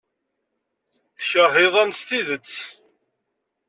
Tekṛeh iḍan s tidet.